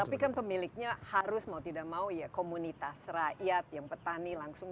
tapi kan pemiliknya harus mau tidak mau ya komunitas rakyat yang petani langsung